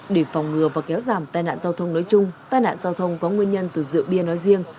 để phòng ngừa và kéo giảm tai nạn giao thông nói chung tai nạn giao thông có nguyên nhân từ rượu bia nói riêng